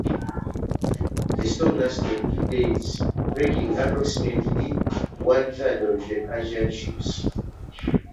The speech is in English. The storm lasted two days, wrecking approximately one third of the Persian ships.